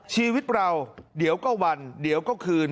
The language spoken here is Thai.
ชีวิตเราเดี๋ยวก็วันเดี๋ยวก็คืน